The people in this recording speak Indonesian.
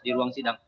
di ruang sidang